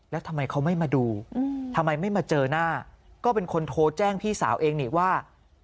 แล้วทำไมเขาไม่มาดูทำไมไม่มาเจอหน้าก็เป็นคนโทรแจ้งพี่สาวเองนี่ว่า